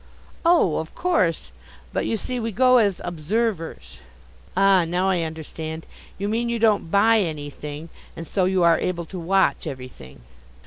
"Oh, of course, but, you see, we go as Observers." "Ah, now, I understand. You mean you don't buy anything and so you are able to watch everything?"